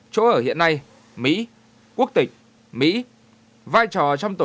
chỗ ở hiện nay mỹ quốc tịch mỹ vai trò trong tổ chức cấp bậc chuẩn tướng